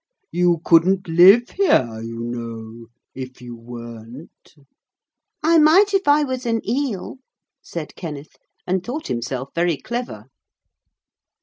You couldn't live here, you know, if you weren't.' 'I might if I was an eel,' said Kenneth, and thought himself very clever.